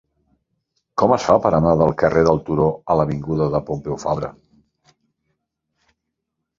Com es fa per anar del carrer del Turó a l'avinguda de Pompeu Fabra?